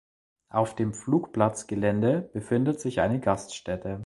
Auf dem Flugplatzgelände befindet sich eine Gaststätte.